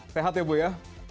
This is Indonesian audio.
sehat ya bu ya